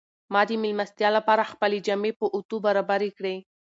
ما د مېلمستیا لپاره خپلې جامې په اوتو برابرې کړې.